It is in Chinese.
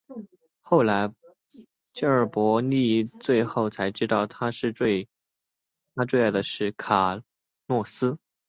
后来贾柏莉儿最后才知道她的最爱是卡洛斯。